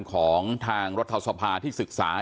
ของทางรัฐสภาที่ศึกษา